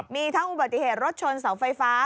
มีทั้งอุบัติเหตุรถชนเสาไฟฟ้า